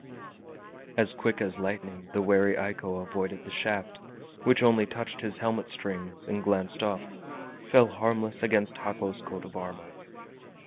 As quick as lightning the wary Eiko avoided the shaft, which only touched his helmet strings, and glancing off, fell harmless against Hako's coat of armor.